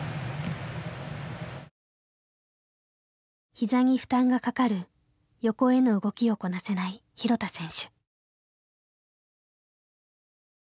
ひざに負担がかかる横への動きをこなせない廣田選手。